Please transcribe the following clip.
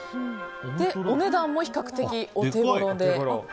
お値段も比較的お手頃で。